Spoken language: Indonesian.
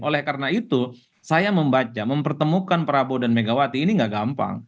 oleh karena itu saya membaca mempertemukan prabowo dan megawati ini tidak gampang